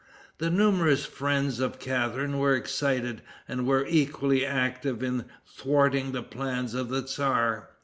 The numerous friends of Catharine were excited, and were equally active in thwarting the plans of the tzar.